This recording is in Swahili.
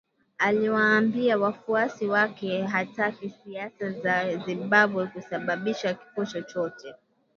Aliwaambia wafuasi wake hataki siasa za Zimbabwe kusababisha kifo chochote